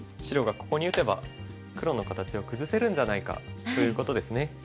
白がここに打てば黒の形を崩せるんじゃないかということですね。